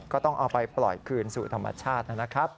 ก็ต้องเอาไปปล่อยคืนสู่ธรรมชาตินะครับ